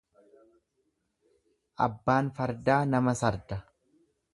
Abbaan fardaa nama sarda.